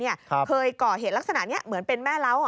เคยก่อเหตุลักษณะนี้เหมือนเป็นแม่เล้า